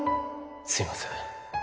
すいません